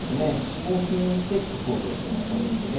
ここを金にして角を取るというのがポイントで。